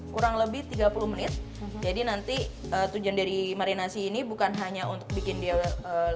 kurang lebih tiga puluh menit jadi nanti tujuan dari marinasi ini bukan hanya untuk bikin dia